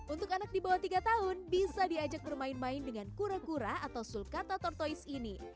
untuk anak di bawah tiga tahun bisa diajak bermain main dengan kura kura atau sulkata tortois ini